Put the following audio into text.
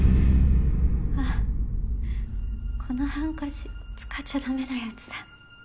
あっこのハンカチ使っちゃダメなやつだ。